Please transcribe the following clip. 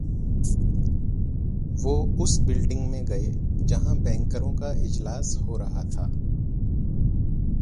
وہ اس بلڈنگ میں گئے جہاں بینکروں کا اجلاس ہو رہا تھا۔